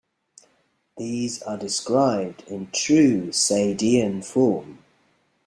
These are described in true Sadean form.